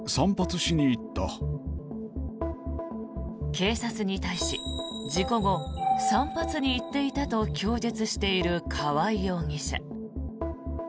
警察に対し事故後、散髪に行っていたと供述している川合容疑者。